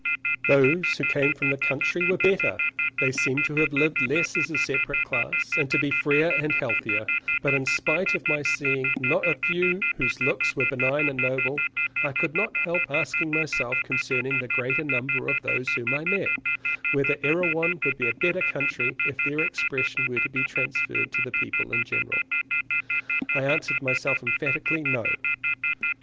Those who came from the country were better; they seemed to have lived less as a separate class, and to be freer and healthier; but in spite of my seeing not a few whose looks were benign and noble, I could not help asking myself concerning the greater number of those whom I met, whether Erewhon would be a better country if their expression were to be transferred to the people in general. I answered myself emphatically, no.